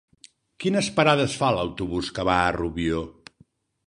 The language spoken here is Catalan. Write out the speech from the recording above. Quines parades fa l'autobús que va a Rubió?